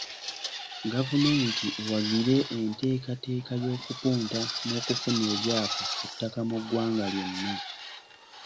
Gavumenti ewagire enteekateeka ey’okupunta n’okufuna ebyapa ku ttaka mu ggwanga lyonna.